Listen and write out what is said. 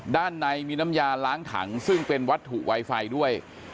ด้านในมีน้ำยาล้างถังซึ่งเป็นวัตถุไวไฟด้วย